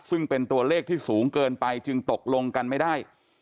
ซึ่งเป็นตัวเลขที่สูงเกินไปจึงตกลงกันไม่ได้